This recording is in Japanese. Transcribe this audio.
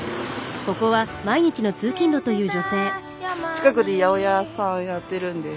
近くで八百屋さんやってるんで。